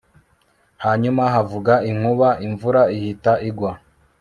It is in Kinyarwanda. Hanyuma havuga inkuba imvura ihita igwa